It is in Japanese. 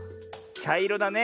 ちゃいろだね。